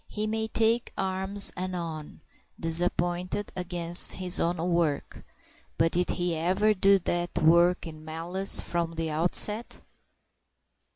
He may take arms anon, disappointed, against his own work; but did he ever do that work in malice from the outset?